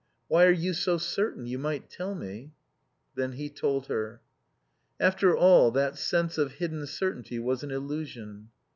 Why are you so certain? You might tell me." Then he told her. After all, that sense of hidden certainty was an illusion.